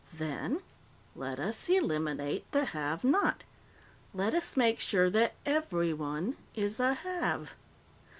Then let us eliminate the Have not. Let us make sure that everyone is a Have.